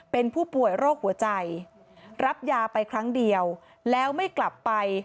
เป็นผู้ป่วยโรคหัวใจรับยาไปครั้งเดียวแล้วไม่กลับไป